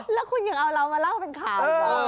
แล้วคุณยังเอาเรามาเล่าเป็นข่าว